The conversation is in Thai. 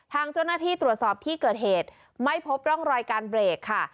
ทางเจ้าหน้าที่ตรวจสอบที่เกิดเหตุไม่พบร่องรอยการเบรกค่ะ